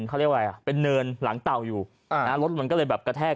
เขาเรียกว่าเป็นเนินหลังเต่าอยู่อ่านะรถมันก็เลยแบบกระแทก